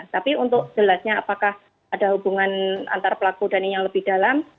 tapi untuk jelasnya apakah ada hubungan antar pelaku dan yang lebih dalam